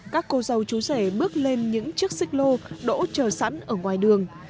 các cô dâu chú rể bước lên những chiếc xích lô đỗ chờ sẵn ở ngoài đường